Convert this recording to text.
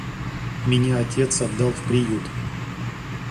Меня отец отдал в приют.